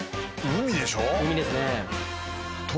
海ですね